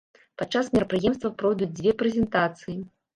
Падчас мерапрыемства пройдуць дзве прэзентацыі.